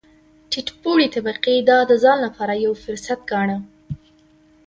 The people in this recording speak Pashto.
ټیټ پوړې طبقې دا د ځان لپاره یو فرصت ګاڼه.